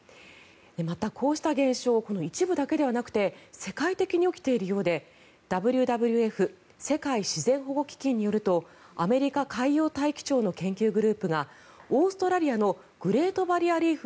また、こうした現象一部だけではなくて世界的に起きているようでＷＷＦ・世界自然保護基金によるとアメリカ海洋大気庁の研究グループがオーストラリアのグレート・バリア・リーフ